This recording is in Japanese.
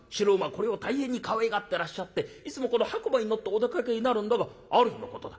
これを大変にかわいがってらっしゃっていつもこの白馬に乗ってお出かけになるんだがある日のことだ